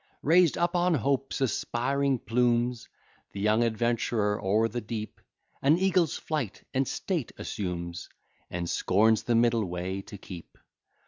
Raised up on Hope's aspiring plumes, The young adventurer o'er the deep An eagle's flight and state assumes, And scorns the middle way to keep.